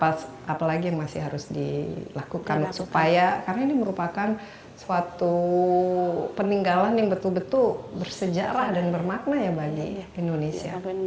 apa lagi yang masih harus dilakukan supaya karena ini merupakan suatu peninggalan yang betul betul bersejarah dan bermakna ya bagi indonesia